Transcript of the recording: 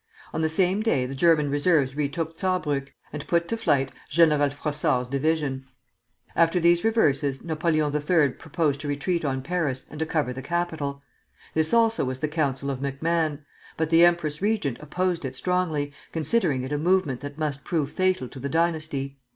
On the same day the German reserves retook Saarbrück, and put to flight General Frossard's division. After these reverses Napoleon III. proposed to retreat on Paris and to cover the capital. This also was the counsel of MacMahon; but the empress regent opposed it strongly, considering it a movement that must prove fatal to the dynasty.